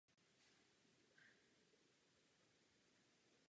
Cílem letu mise byly experimenty Space Radar Laboratory.